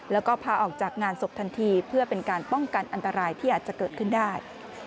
แล้วก็พาออกจากงานศพทันทีเพื่อเป็นการป้องกันอันตรายที่อาจจะเกิดขึ้นได้